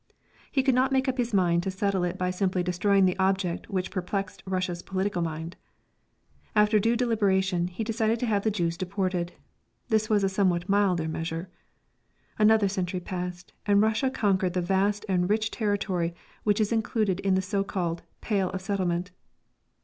He could not make up his mind to settle it by simply destroying the object which perplexed Russia's political mind. After due deliberation, he decided to have the Jews deported. This was a somewhat milder measure. Another century passed, and Russia conquered the vast and rich territory which is included in the so called "Pale of Settlement."